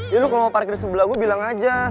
ya lo kalau mau parkir sebelah gue bilang aja